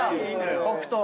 北斗は。